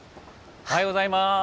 おはようございます。